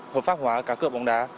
hợp pháp hóa cá cựa bóng đá